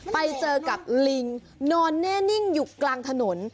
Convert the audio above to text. ไปเจอกับลิงนอนแน่นิ่งอยู่กลางถนน